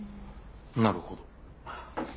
なるほど。